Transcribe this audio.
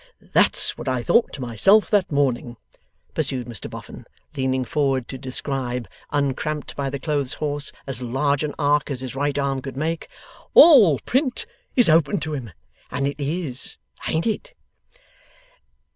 That's what I thought to myself, that morning,' pursued Mr Boffin, leaning forward to describe, uncramped by the clotheshorse, as large an arc as his right arm could make; '"all Print is open to him!" And it is, ain't it?